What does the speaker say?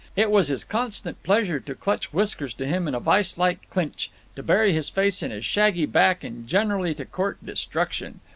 It was his constant pleasure to clutch Whiskers to him in a vice like clinch, to bury his face in his shaggy back, and generally to court destruction.